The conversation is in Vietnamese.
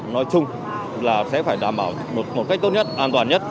nói chung là sẽ phải đảm bảo một cách tốt nhất an toàn nhất